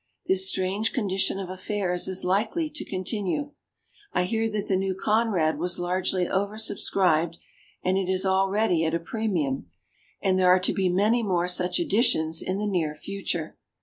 This strange condi tion of affairs is likely to continue. I hear that the new Conrad was largely over subscribed, and it is already at a premiuHL And there are to be many more such editions in the near future.